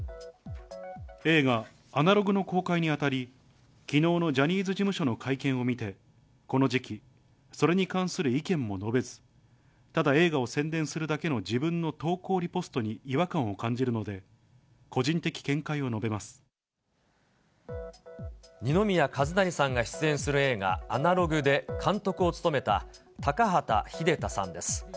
映画、アナログの公開にあたり、きのうのジャニーズ事務所の会見を見て、この時期、それに関する意見も述べず、ただ、映画を宣伝するための自分の投稿リポストに違和感を感じるので、二宮和也さんが出演する映画、アナログで監督を務めた、タカハタ秀太さんです。